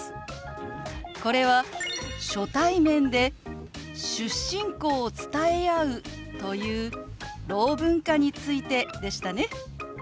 これは初対面で出身校を伝え合うというろう文化についてでしたね。